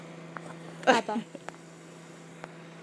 კაბა